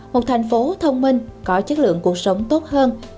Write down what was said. một thành phố thông minh có chất lượng cuộc sống tốt hơn